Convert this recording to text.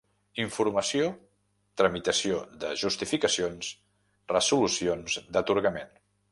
Informació, tramitació de justificacions, resolucions d'atorgament.